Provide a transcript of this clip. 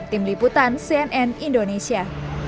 tim liputan cnn indonesia